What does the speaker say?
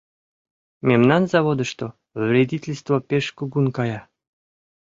Мемнан заводышто вредительство пеш кугун кая.